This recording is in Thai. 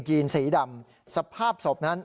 ีนสีดำสภาพศพนั้น